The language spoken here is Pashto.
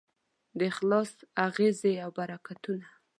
د اخلاص اغېزې او برکتونه